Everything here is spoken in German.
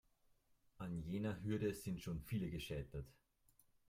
An jener Hürde sind schon viele gescheitert.